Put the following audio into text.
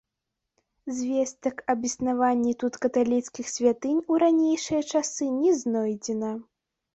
Звестак аб існаванні тут каталіцкіх святынь у ранейшыя часы не знойдзена.